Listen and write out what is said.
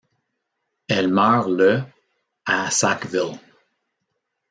Elle meurt le à Sackville.